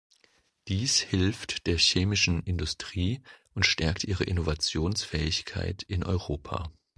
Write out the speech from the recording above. Dies hilft der chemischen Industrie und stärkt ihre Innovationsfähigkeit in Europa.